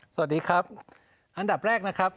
สวัสดีครับอันดับแรกนะครับ